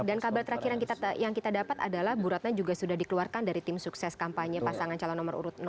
dan kabar terakhir yang kita dapat adalah bu ratna juga sudah dikeluarkan dari tim sukses kampanye pasangan calon nomor urut dua